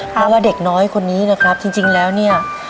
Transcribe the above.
เพราะว่าเด็กน้อยคนนี้นะครับจริงแล้วเนี่ย